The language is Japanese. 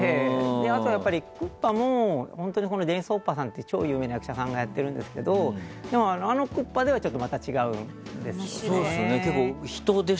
あとはクッパも本当にデニス・ホッパーさんって超有名な役者さんがやってるんですけどあれもまた違うんですよね。